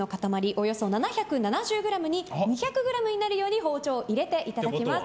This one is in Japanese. およそ７７０ｇに２００ｇになるよう包丁を入れていただきます。